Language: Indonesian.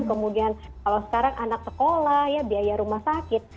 kemudian kalau sekarang anak sekolah ya biaya rumah sakit